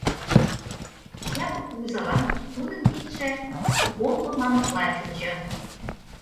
Япык кугызалан тудын кидше комбо мамыкла чучо.